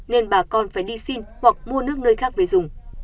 nên bà con phải đi xin hoặc mua nước nơi khác về dùng